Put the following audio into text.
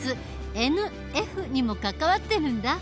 「ＮＦ」にも関わってるんだ。